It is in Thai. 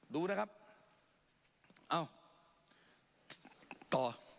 รู้นะครับอ้าวต่อ